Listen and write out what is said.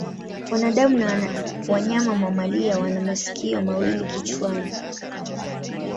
Wanadamu na wanyama mamalia wana masikio mawili kichwani.